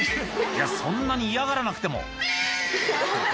いやそんなに嫌がらなくてもギャ！